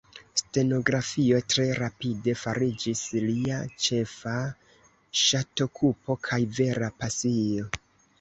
Stenografio tre rapide fariĝis lia ĉefa ŝatokupo kaj vera pasio.